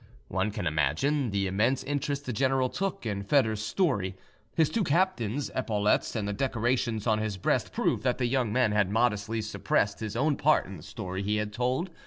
One can imagine, the immense interest the general took in Foedor's story. His two captain's epaulets and the decorations on his breast proved that the young man had modestly suppressed his own part in the story he had told.